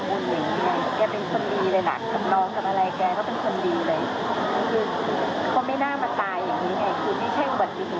ไม่ใช่เรื่องสุขวิสัยฉันว่ามันเป็นว่าความประมาท